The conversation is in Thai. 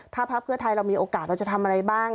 ถ้าพักเพื่อไทยเรามีโอกาสเราจะทำอะไรบ้าง